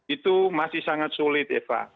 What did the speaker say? itu masih sangat sulit eva